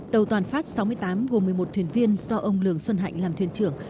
tàu toàn phát sáu mươi tám gồm một mươi một thuyền viên do ông lường xuân hạnh làm thuyền trưởng